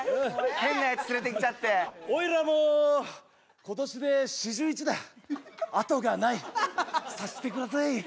変なやつ連れてきちゃっておいらも今年で四十一だ後がない察してください